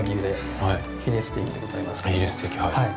はい。